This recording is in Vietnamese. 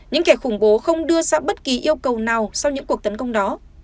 những kẻ khủng bố không đưa ra bất kỳ yêu cầu nào sau những cuộc tấn công đó